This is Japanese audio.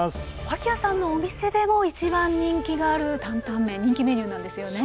脇屋さんのお店でも一番人気がある担々麺人気メニューなんですよね。